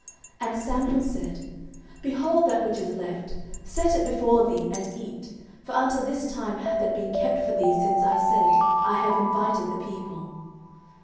And Samuel said, Behold that which is left! set it before thee, and eat: for unto this time hath it been kept for thee since I said, I have invited the people.